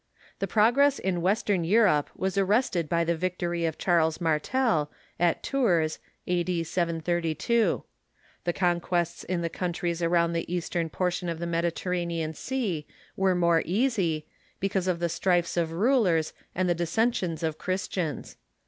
The progress in Western Europe was arrested by the victory of Charles Martel, at Tours, a.d. Y32. The conquests in the countries around the eastern portion of the Mediterranean Sea were more easy, because of the strifes of rulers and the dissen sions of Christians.